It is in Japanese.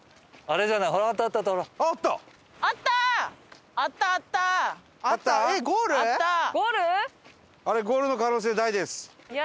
あれゴールの可能性大です。